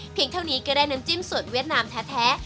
เท่านี้ก็ได้น้ำจิ้มสูตรเวียดนามแท้